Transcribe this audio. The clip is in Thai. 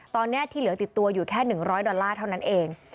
ตอนนี้ที่เหลือติดตัวอยู่แค่๑๐๐ดอลลาร์เท่านั้นเอง